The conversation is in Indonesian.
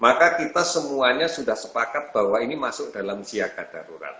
maka kita semuanya sudah sepakat bahwa ini masuk dalam siaga darurat